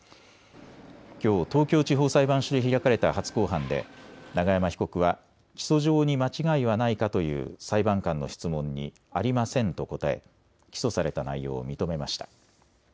きょう東京地方裁判所で開かれた初公判で永山被告は起訴状に間違いはないかという裁判官の質問にありませんと答え起訴された内容を認めました。